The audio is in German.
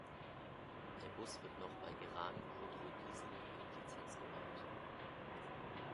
Der Bus wird noch bei Iran Khodro Diesel in Lizenz gebaut.